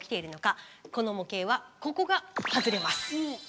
この模型はここが外れます。